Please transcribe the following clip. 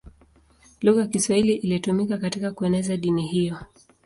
Lugha ya Kiswahili ilitumika katika kueneza dini hiyo.